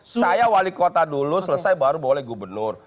saya wali kota dulu selesai baru boleh gubernur